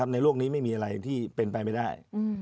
ในโลกนี้ไม่มีอะไรที่เป็นไปไม่ได้